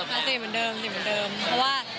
ยังสีกันเหมือนเดิมเพราะว่า